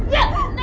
何？